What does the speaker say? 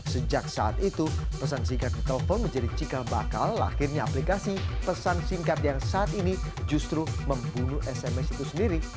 sejak saat itu pesan singkat di telepon menjadi cikal bakal lahirnya aplikasi pesan singkat yang saat ini justru membunuh sms itu sendiri